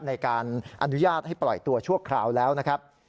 ในการอนุญาตให้ปล่อยตัวชั่วคราวแล้วนะครับ